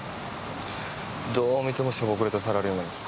どう見てもしょぼくれたサラリーマンです。